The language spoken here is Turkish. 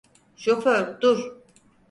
Şoför dur!